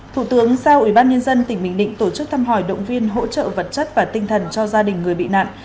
thủ tướng giao ủy ban nhân dân tỉnh bình định tổ chức thăm hỏi động viên hỗ trợ vật chất và tinh thần cho gia đình người bị nạn